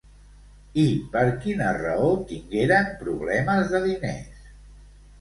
I per quina raó tingueren problemes de diners?